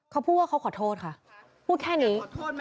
เขาพูดว่าเขาขอโทษค่ะพูดแค่นี้